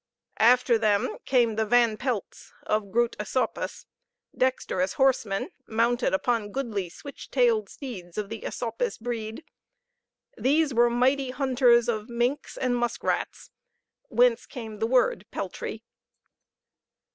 After them came the Van Pelts of Groodt Esopus, dexterous horsemen, mounted upon goodly switch tailed steeds of the Esopus breed; these were mighty hunters of minks and musk rats, whence came the word Peltry.